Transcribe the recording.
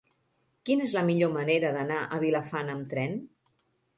Quina és la millor manera d'anar a Vilafant amb tren?